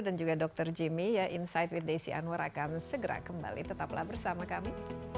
dan juga dr jimmy insight with desi anwar akan segera kembali tetaplah bersama kami